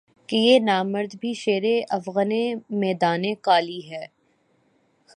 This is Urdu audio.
کہ یہ نامرد بھی شیر افگنِ میدانِ قالی ہے